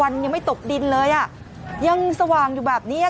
ยังไม่ตกดินเลยอ่ะยังสว่างอยู่แบบเนี้ย